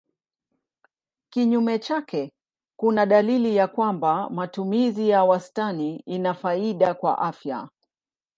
Kinyume chake kuna dalili ya kwamba matumizi ya wastani ina faida kwa afya.